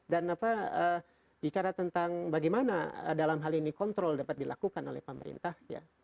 dan bicara tentang bagaimana dalam hal ini kontrol dapat dilakukan oleh pemerintah